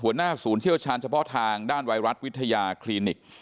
หัวหน้าศูนย์เชี่ยวชาญเฉพาะทางด้านไวรัสวิทยาคลินิก